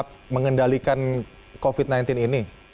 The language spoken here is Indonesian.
mencapai tahap mengendalikan covid sembilan belas ini